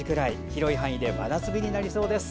広い範囲で真夏日になりそうです。